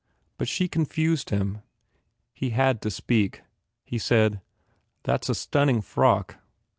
But she confused him. He had to speak. He said, "That s a stunning frock."